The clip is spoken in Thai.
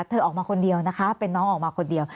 เธอออกมาคนเดียวนะคะเป็นน้องออกมาคนเดียว